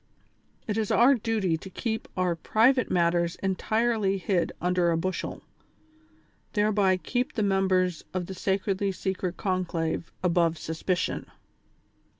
It is our duty to keep our private matters entirely hid under a bushel, thereby keep the members of the sacredly secret conclave above suspicion."